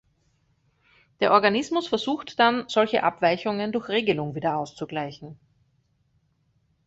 Der Organismus versucht dann, solche Abweichungen durch Regelung wieder auszugleichen.